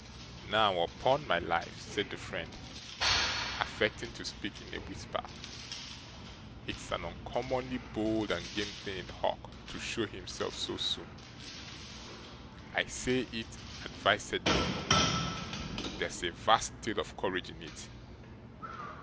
'Now, upon my life,' said the friend, affecting to speak in a whisper, 'it's an uncommonly bold and game thing in Hawk to show himself so soon. I say it advisedly; there's a vast deal of courage in it.